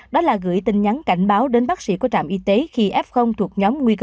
đó là gửi tin nhắn cảnh báo đến bác sĩ của trạm y tế khi f thuộc nhóm nguy cơ